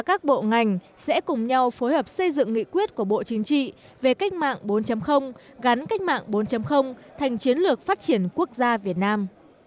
các bộ ngành sẽ cùng nhau phối hợp xây dựng nghị quyết của bộ chính trị về cách mạng bốn gắn cách mạng bốn thành chiến lược phát triển quốc gia việt nam